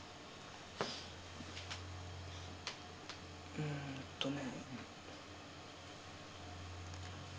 うんとね。